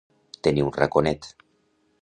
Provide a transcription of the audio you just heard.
Tenir un raconet.